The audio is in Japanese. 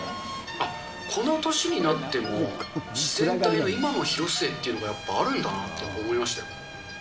この年になっても、自然体の今の広末っていうのがやっぱあるんだなって思いましたよ。